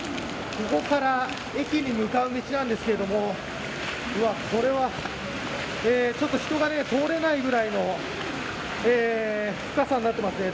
ここから駅に向かう道なんですけれどもこれはちょっと人が通れないぐらいの深さになってますね。